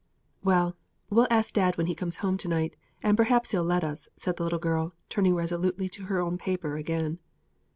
"Well, we'll ask dad when he come home to night, and p'r'aps he'll let us," said the little girl, turning resolutely to her own paper again.